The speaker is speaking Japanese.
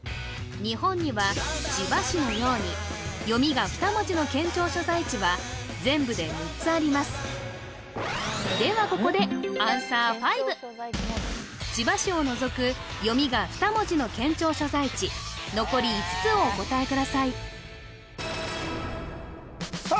日本には千葉市のように読みが２文字の県庁所在地は全部で６つありますではここで千葉市を除く読みが２文字の県庁所在地残り５つをお答えくださいさあ